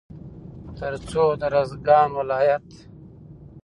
تر څو د روزګان ولايت